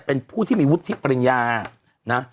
เป็นผู้ที่มีวุฒิปริญญานะ